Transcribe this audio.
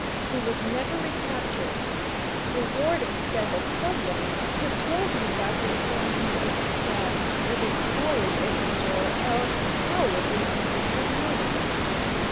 He was never recaptured. The Warden said that some one must have told him about the adjoining vacant cell, with its always open door, else how would the young man have known it?